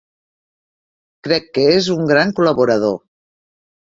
Crec que és un gran col·laborador.